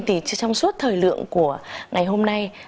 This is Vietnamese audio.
trong suốt thời lượng của ngày hôm nay